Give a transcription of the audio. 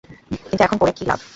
কিন্তু এখন পরে কি লাভ?